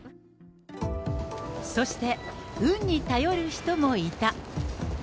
そして運に頼る人もいた。